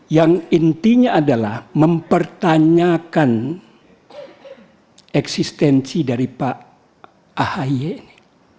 yang intinya adalah mempertanyakan eksistensi dari pak ahy ini